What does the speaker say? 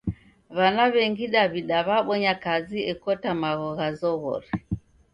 W'ana w'engi Daw'ida w'abonya kazi ekota magho gha zoghori.